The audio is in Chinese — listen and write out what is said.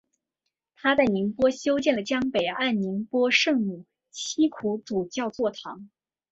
他在宁波修建了江北岸宁波圣母七苦主教座堂。